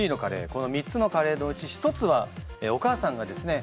この３つのカレーのうち１つはお母さんがですね